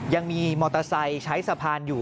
ยังมีมอเตอร์ไซค์ใช้สะพานอยู่